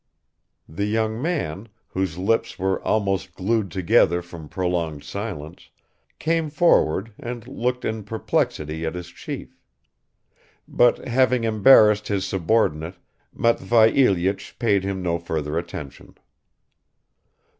The young man, whose lips were almost glued together from prolonged silence, came forward and looked in perplexity at his chief ... But having embarrassed his subordinate, Matvei Ilyich paid him no further attention.